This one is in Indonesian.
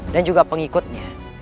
dan juga pengikutnya